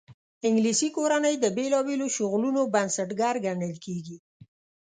انګلیسي کورنۍ د بېلابېلو شغلونو بنسټګر ګڼل کېږي.